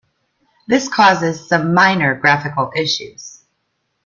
This causes some minor graphical issues.